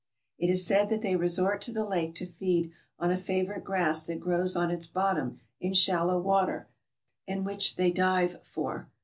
It is said that they resort to the lake to feed on a favorite grass that grows on its bottom in shallow water, and which they dive for.